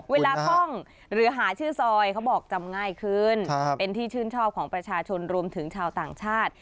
คล่องหรือหาชื่อซอยเขาบอกจำง่ายขึ้นเป็นที่ชื่นชอบของประชาชนรวมถึงชาวต่างชาติ